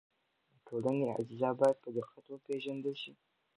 د ټولنې اجزا باید په دقت وپېژندل شي.